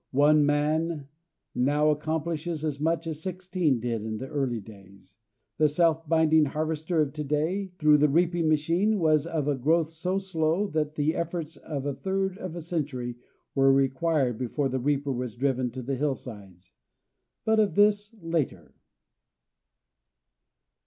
One man now accomplishes as much as sixteen did in the early days. The self binding harvester of to day, through the reaping machine, was of a growth so slow that the efforts of a third of a century were required before the reaper was driven to the hillsides but of this later.